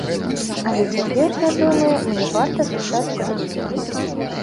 Але цяпер, я думаю, мне варта застацца тут.